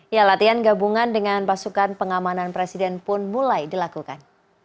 ya latihan gabungan dengan pasukan pengamanan presiden pun mulai dilakukan